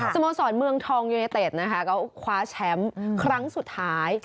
โมสรเมืองทองยูเนเต็ดนะคะก็คว้าแชมป์ครั้งสุดท้าย